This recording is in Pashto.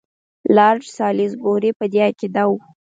لارډ سالیزبوري په دې عقیده وو.